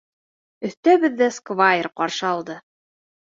Өҫтә беҙҙе сквайр ҡаршы алды.